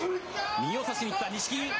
右を差しに行った、錦木。